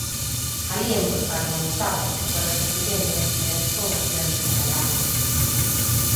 Alí envorcaron os sacos que foron recollendo en diferentes poboacións catalás.